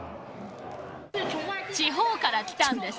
地方から来たんです。